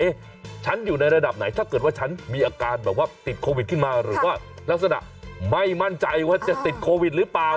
ฉันอยู่ในระดับไหนถ้าเกิดว่าฉันมีอาการแบบว่าติดโควิดขึ้นมาหรือว่าลักษณะไม่มั่นใจว่าจะติดโควิดหรือเปล่า